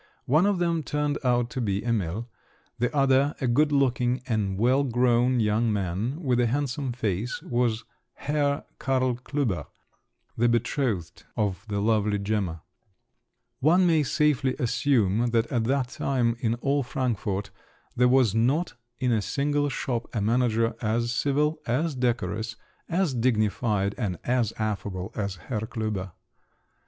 One of them turned out to be Emil; the other, a good looking and well grown young man, with a handsome face, was Herr Karl Klüber, the betrothed of the lovely Gemma. One may safely assume that at that time in all Frankfort, there was not in a single shop a manager as civil, as decorous, as dignified, and as affable as Herr Klüber.